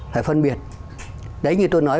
phải phân biệt đấy như tôi nói